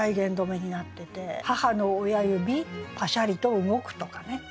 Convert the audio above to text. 「母の親指パシャリと動く」とかね。